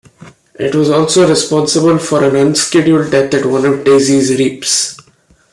It was also responsible for an unscheduled death at one of Daisy's reaps.